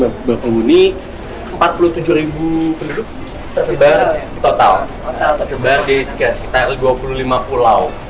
mengguni empat puluh tujuh penduduk tersebar total tersebar di sekitar dua puluh lima pulau